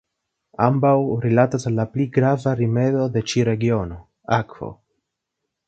Ambaŭ rilatas al la pli grava rimedo de ĉi regiono: akvo.